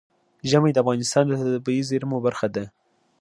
ژمی د افغانستان د طبیعي زیرمو برخه ده.